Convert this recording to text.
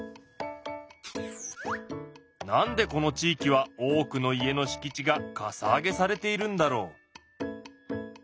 何でこの地域は多くの家のしき地がかさ上げされているんだろう？